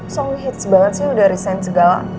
song hits banget sih udah resign segala